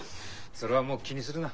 それはもう気にするな。